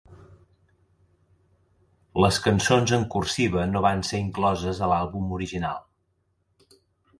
Les cançons en cursiva no van ser incloses a l'àlbum original.